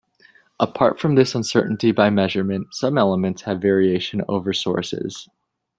Apart from this uncertainty by measurement, some elements have variation over sources.